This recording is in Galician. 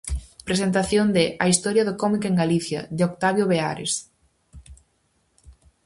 Presentación de "A historia do cómic en Galicia", de Octavio Beares.